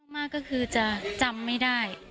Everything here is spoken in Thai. มากก็คือจะจำไม่ได้